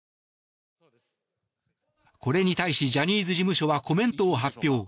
これに対し、ジャニーズ事務所はコメントを発表。